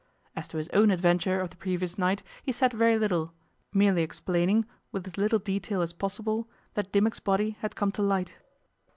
As to his own adventure of the previous night he said very little, merely explaining, with as little detail as possible, that Dimmock's body had come to light.